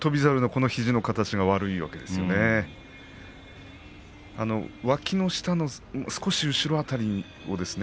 隠岐の海のわきの下の少し後ろの辺りですね